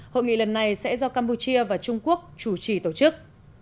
hội nghị lần này sẽ do campuchia và trung quốc chủ trì tổ chức